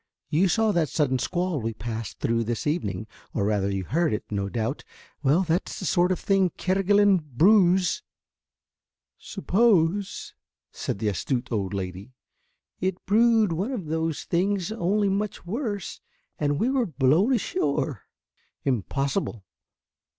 You saw that sudden squall we passed through this evening, or rather you heard it, no doubt, well that's the sort of thing Kerguelen brews." "Suppose," said the astute old lady, "it brewed one of those things, only much worse, and we were blown ashore?" "Impossible."